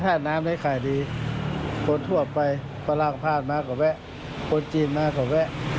อย่าเห็นคุณเวลาที่เดี๋ยว